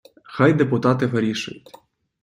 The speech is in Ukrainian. Хай депутати вирішують.